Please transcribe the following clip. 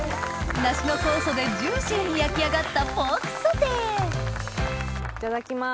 梨の酵素でジューシーに焼き上がったいただきます。